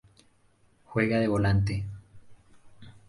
Juega de Volante.